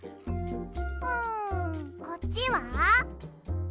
うんこっちは？